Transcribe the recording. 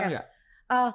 ada beban ya